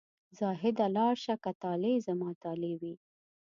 زاهده لاړ شه که طالع زما طالع وي.